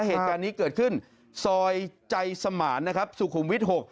เหตุการณ์นี้เกิดขึ้นซอยใจสมานนะครับสุขุมวิทย์๖